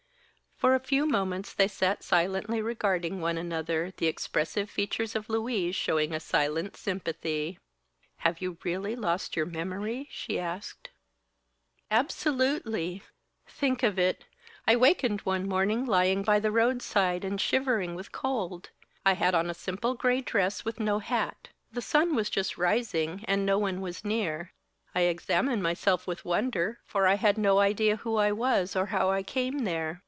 For a few moments they sat silently regarding one another, the expressive features of Louise showing a silent sympathy. "Have you really lost your memory?" she asked. "Absolutely. Think of it! I wakened one morning lying by the roadside, and shivering with cold. I had on a simple gray dress, with no hat. The sun was just rising, and no one was near. I examined myself with wonder, for I had no idea who I was, or how I came there.